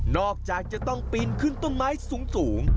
จากจะต้องปีนขึ้นต้นไม้สูง